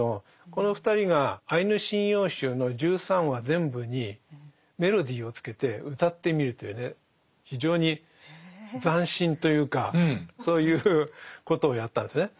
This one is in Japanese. この２人が「アイヌ神謡集」の１３話全部にメロディーをつけてうたってみるというね非常に斬新というかそういうことをやったんですね。